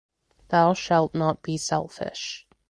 Thou shalt not be selfish.